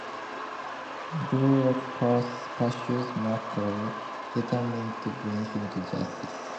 Bullock pursues McCall, determined to bring him to justice.